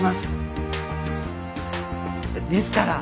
ですから！